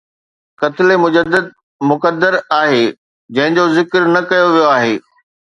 قتل مجدد مقدر آهي، جنهن جو ذڪر نه ڪيو ويو آهي